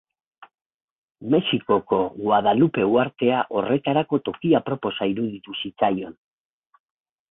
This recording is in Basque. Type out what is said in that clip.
Mexikoko Guadalupe uhartea horretarako toki aproposa iruditu zitzaion.